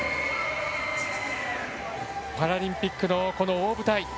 パラリンピックのこの大舞台。